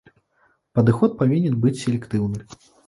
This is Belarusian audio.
Падыход павінен быць селектыўны.